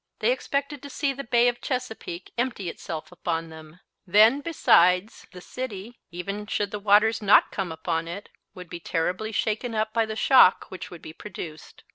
They expected to see the Bay of Chesapeake empty itself upon them. Then, besides, the city, even should the waters not come upon it, would be terribly shaken up by the shock which would be produced.